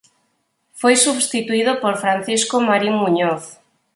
Foi substituído por Francisco Marín Muñoz.